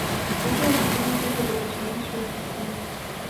د دې انقلاب ګټه د بشري ژوند ساتنه وه.